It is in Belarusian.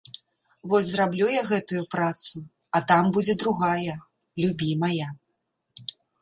Вось зраблю я гэтую працу, а там будзе другая, любімая.